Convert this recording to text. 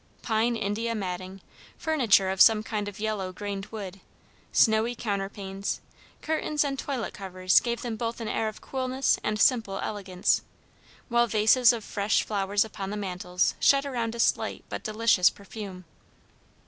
Pine India matting, furniture of some kind of yellow grained wood, snowy counterpanes, curtains and toilet covers gave them both an air of coolness and simple elegance, while vases of fresh flowers upon the mantels shed around a slight but delicious perfume.